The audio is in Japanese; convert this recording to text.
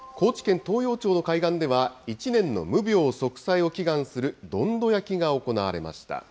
東洋町の海岸では、１年の無病息災を祈願するどんど焼きが行われました。